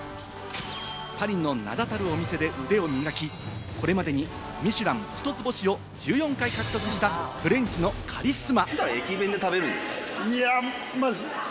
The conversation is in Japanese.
パリの名だたるお店で腕を磨き、これまでにミシュラン一つ星を１４回獲得したフレンチのカリスマ。